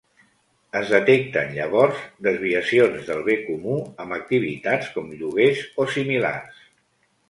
Es detecten llavors desviacions del bé comú amb activitats com lloguers o similars.